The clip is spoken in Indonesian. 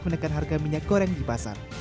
menekan harga minyak goreng di pasar